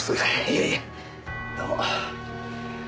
いやいやどうも。